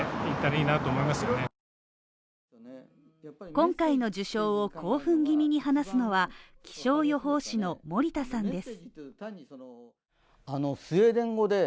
今回の受賞を興奮気味に話すのは、気象予報士の森田さんです。